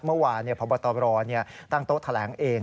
เมื่อวานพบตรตั้งโต๊ะแถลงเอง